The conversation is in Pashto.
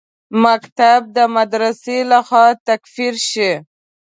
مکتب د مدرسې لخوا تکفیر شي.